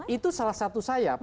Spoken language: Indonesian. itu salah satu sayap